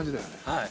はい。